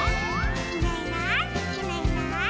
「いないいないいないいない」